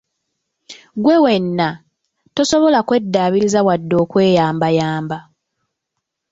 Gwe wenna, tosobola kweddaabiriza wadde okweyambayamba!